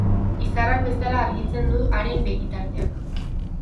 Izarrak bezala argitzen du haren begitarteak.